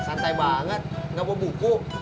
santai banget gak mau buku